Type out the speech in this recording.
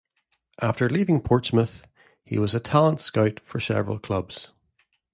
After leaving Portsmouth he was a talent scout for several clubs.